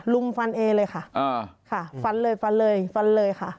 ลุงฟันเอเลยค่ะค่ะฟันเลยฟันเลยฟันเลยค่ะ